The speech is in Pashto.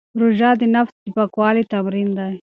روژه د نفس د پاکوالي تمرین دی.